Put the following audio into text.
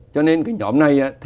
cho nên nhóm này